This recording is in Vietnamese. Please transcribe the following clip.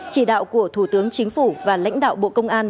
chỉ đạo của thủ tướng chính phủ và lãnh đạo bộ công an